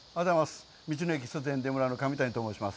道の駅すず塩田村の神谷と申します。